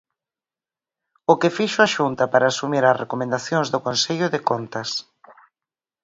O que fixo a Xunta para asumir as recomendacións do Consello de Contas.